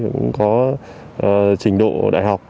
cũng có trình độ đại học